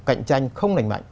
cạnh tranh không lành mạnh